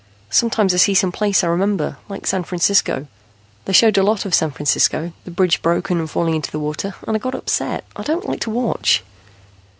Sometimes I see some place I remember, like San Francisco. They showed a shot of San Francisco, the bridge broken and fallen in the water, and I got upset. I don't like to watch."